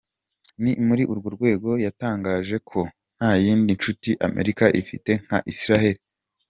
Ni muri urwo rwego yatangaje ko nta yindi nshuti Amerika ifite nka Isilaheri.